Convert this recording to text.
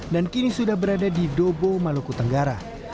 dan kini sudah berada di dobo maluku tenggara